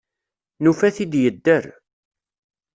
Nufa-t-id yedder.